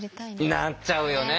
なっちゃうよね。